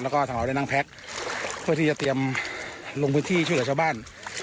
แล้วก็ทางเราได้นั่งแพ็คเพื่อที่จะเตรียมลงพื้นที่ช่วยเหลือชาวบ้าน